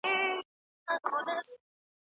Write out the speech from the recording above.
ولې باید له نورو ملتونو سره ښې اړیکې ولرو؟